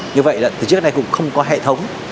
như vậy là từ trước nay cũng không có hệ thống